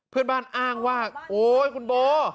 เพื่อนบ้านอ้างว่าโอ๊ยคุณโบ